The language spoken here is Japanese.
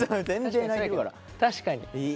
確かに。